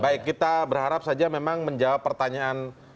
baik kita berharap saja memang menjawab pertanyaan